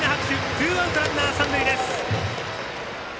ツーアウト、ランナー、三塁です。